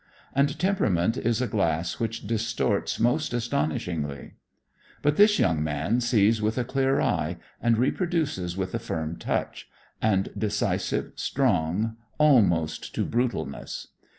And temperament is a glass which distorts most astonishingly. But this young man sees with a clear eye, and reproduces with a touch firm and decisive, strong almost to brutalness.